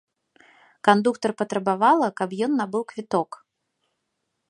Кандуктар патрабавала, каб ён набыў квіток.